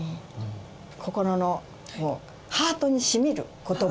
心のハートにしみる言葉。